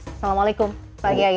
assalamualaikum pak kiai